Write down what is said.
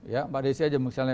ya mbak desi aja misalnya